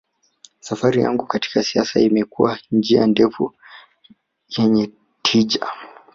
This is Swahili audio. safari yangu katika siasa imekuwa njia ndefu na yenye tija